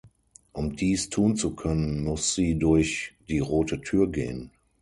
Um dies tun zu können, muss sie durch die rote Tür gehen.